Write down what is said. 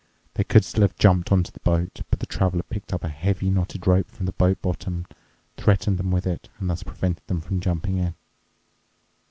They could still have jumped into the boat, but the Traveler picked up a heavy knotted rope from the boat bottom, threatened them with it, and thus prevented them from jumping in.